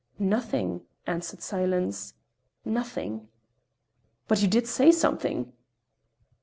"Nothing," answered Silence, "nothing." "But you did say something."